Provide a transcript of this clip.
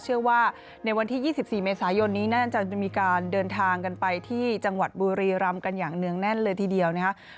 เชื่อว่าในวันที่๒๔เมษายนนี้น่าจะมีการเดินทางกันไปที่จังหวัดบุรีรำกันอย่างเนื่องแน่นเลยทีเดียวนะครับ